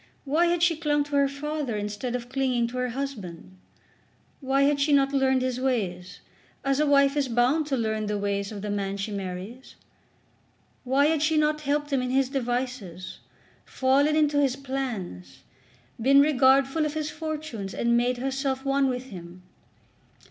Why had she clung to her father instead of clinging to her husband? Why had she not learned his ways, as a wife is bound to learn the ways of the man she marries? Why had she not helped him in his devices, fallen into his plans, been regardful of his fortunes, and made herself one with him?